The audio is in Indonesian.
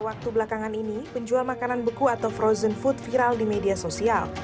waktu belakangan ini penjual makanan beku atau frozen food viral di media sosial